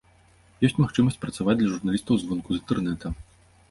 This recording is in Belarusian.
Ёсць магчымасць працаваць для журналістаў звонку, з інтэрнэта.